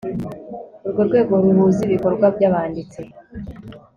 urwo rwego ruhuza ibikorwa by abanditsi